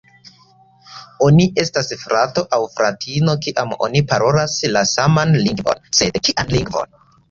Oni estas frato aŭ fratino, kiam oni parolas la saman lingvon, sed kian lingvon?